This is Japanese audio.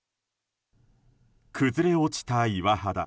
崩れ落ちた岩肌。